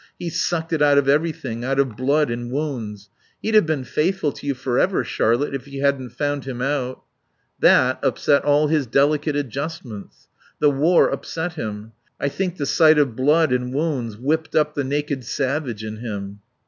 He sucked it out of everything out of blood and wounds.... He'd have been faithful to you forever, Charlotte, if you hadn't found him out. That upset all his delicate adjustments. The war upset him. I think the sight of blood and wounds whipped up the naked savage in him."